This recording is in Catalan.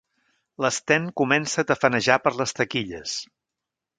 L'Sten comença a tafanejar per les taquilles.